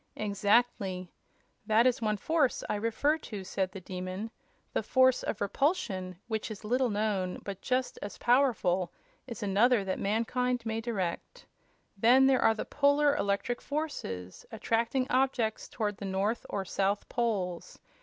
"Exactly. That is one force I refer to," said the Demon. "The force of repulsion, which is little known, but just as powerful, is another that mankind may direct. Then there are the Polar electric forces, attracting objects toward the north or south poles.